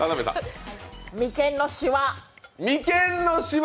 眉間のしわ。